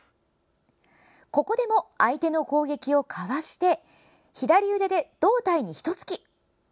ここでも相手の攻撃をかわして左腕で胴体にひと突き。